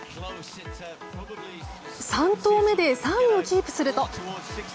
３投目で３位をキープすると。